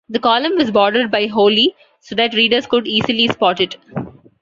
The column was bordered by holly so that readers could easily spot it.